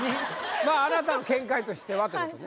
まああなたの見解としてはということね。